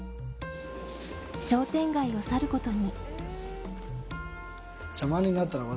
商店街を去ることに。